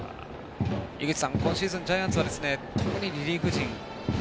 井口さん、今シーズンジャイアンツは特にリリーフ陣